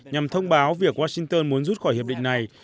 nhằm thông báo việc washington muốn rút khỏi hiệp định này